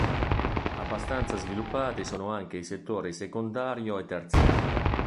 Abbastanza sviluppati sono anche i settori secondario e terziario.